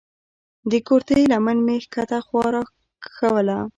د کورتۍ لمن مې کښته خوا راکښوله.